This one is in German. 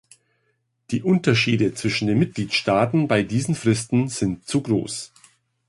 Die Unterschiede zwischen den Mitgliedstaaten bei diesen Fristen sind zu groß.